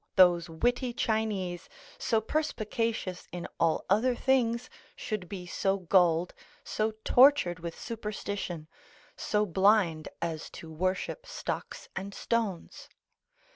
those witty Chinese, so perspicacious in all other things should be so gulled, so tortured with superstition, so blind as to worship stocks and stones.